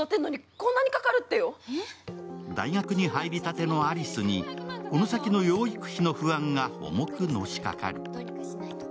大学に入りたての有栖にこの先の養育費の不安が重くのしかかる。